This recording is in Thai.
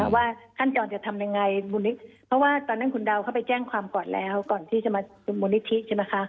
ว่าขั้นตอนจะทำยังไงเพราะว่าตอนนั้นคุณดาวเข้าไปแจ้งความก่อนแล้วก่อนที่จะมามูลนิธิใช่ไหมคะ